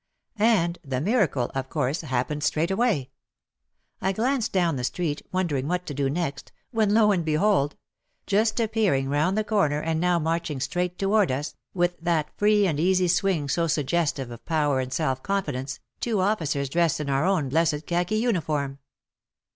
And — the miracle, of course, happened straightaway. I glanced down the street, wondering what to do next, when lo and behold !— just appearing round the corner and now marching straight towards us, with that free and easy swing so suggestive of power and self confidence, two officers dressed in our own blessed khaki uniform